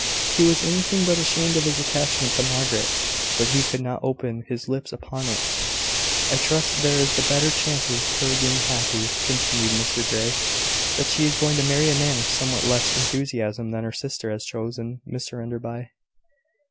He was anything but ashamed of his attachment to Margaret; but he could not open his lips upon it. "I trust there is the better chance of her being happy," continued Mr Grey, "that she is going to marry a man of somewhat less enthusiasm than her sister has chosen, Mr Enderby."